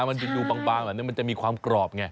มันดูบางมันจะมีความกรอบไง